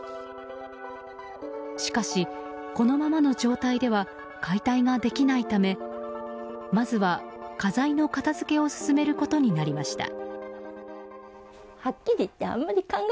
しかし、このままの状態では解体ができないためまずは家財の片づけを進めることになりました。